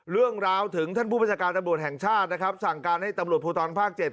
เรื่องราวถึงท่านผู้บัญชาการตำรวจแห่งชาตินะครับสั่งการให้ตำรวจภูทรภาค๗